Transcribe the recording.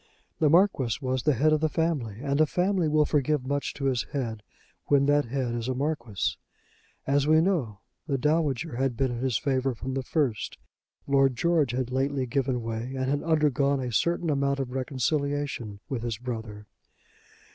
The Marquis was the head of the family, and a family will forgive much to its head when that head is a Marquis. As we know the Dowager had been in his favour from the first, Lord George had lately given way and had undergone a certain amount of reconciliation with his brother.